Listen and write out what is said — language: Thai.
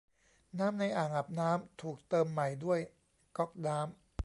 น้ำในอ่างอาบน้ำถูกเติมใหม่ด้วยก๊อกน้ำ